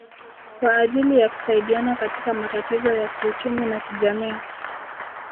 kwa ajili ya kusaidiana katika matatizo ya kiuchumi na kijamii